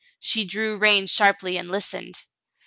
She drew rein sharply and listened.